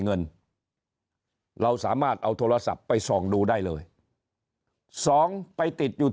เงินเราสามารถเอาโทรศัพท์ไปส่องดูได้เลยสองไปติดอยู่